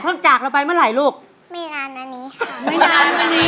เพิ่งจากเราไปเมื่อนานนี้ค่ะ